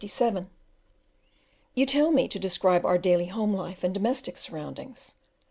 You tell me to describe our daily home life and domestic surroundings.